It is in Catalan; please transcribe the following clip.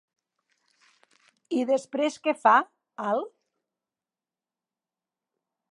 I després què fa, al.?